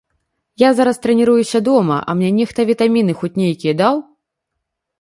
Я зараз трэніруюся дома, а мне нехта вітаміны хоць нейкія даў?